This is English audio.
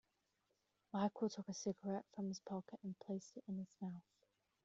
Michael took a cigarette from his pocket and placed it in his mouth.